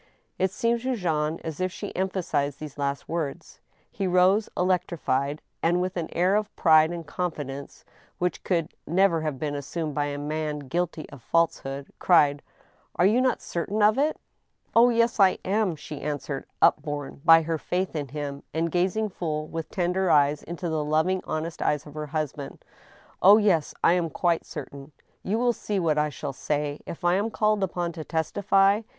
It seemed. to Jean as if she emphasized these last words. He rose electrified, and, with an air of pride and confidence, which could never have been assumed by a man guilty of a false hood, cried :Are you not certain of it ?"" Oh, yes, I am !" she answered, upborne by her faith in him, and gazing full, with tender eyes, into the loving honest eyes of her husband —" oh, yes, I am quite certain. You will see what I shall say, if I am called upon to testify.